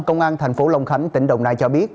công an tp long khánh tỉnh đồng nai cho biết